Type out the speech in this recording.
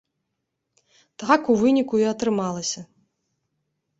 Так у выніку і атрымалася.